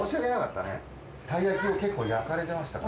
たい焼きを結構焼かれてましたから。